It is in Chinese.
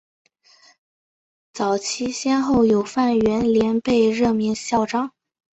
早期先后有范源濂被任命校长。